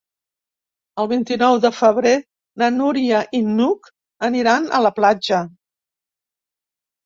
El vint-i-nou de febrer na Núria i n'Hug aniran a la platja.